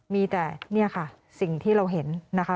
มีแต่เนี่ยค่ะสิ่งที่เราเห็นนะคะ